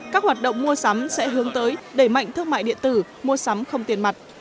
các hoạt động mua sắm sẽ hướng tới đẩy mạnh thương mại điện tử mua sắm không tiền mặt